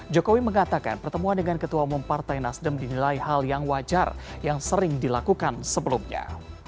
jokowi mengatakan pertemuan dengan ketua umum partai nasdem dinilai hal yang wajar yang sering dilakukan sebelumnya